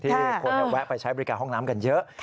คนแวะไปใช้บริการห้องน้ำกันเยอะ